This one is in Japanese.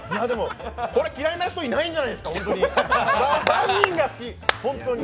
これ嫌いな人いないんじゃないですか、万人が好き。